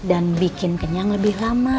dan bikin kenyang lebih lama